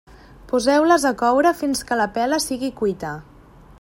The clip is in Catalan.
Poseu-les a coure fins que la pela sigui cuita.